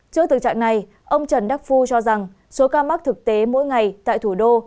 trước thực trạng này ông trần đắc phu cho rằng số ca mắc thực tế mỗi ngày tại thủ đô